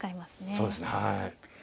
そうですねはい。